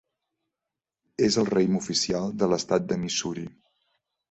És el raïm oficial de l'estat de Missouri.